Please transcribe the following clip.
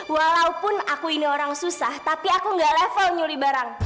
walaupun aku ini orang susah tapi aku gak level nyuli barang